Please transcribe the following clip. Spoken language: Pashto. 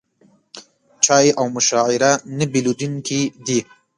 چای او مشاعره نه بېلېدونکي دي.